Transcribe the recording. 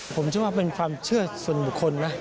ผมเชื่อว่าเป็นความเชื่อส่วนบุคคลนะ